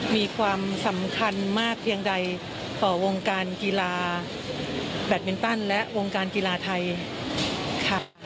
มีความสำคัญมากเพียงใดต่อวงการกีฬาแบตมินตันและวงการกีฬาไทยค่ะ